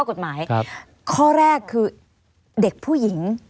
หรือว่าแม่ของสมเกียรติศรีจันทร์